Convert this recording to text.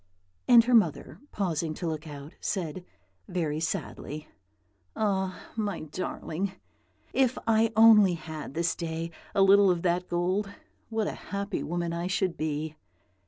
And her mother, pausing to look out, said, very sadly, "Ah, my darling! if I only had this day a little of that gold, what a happy woman I should be!"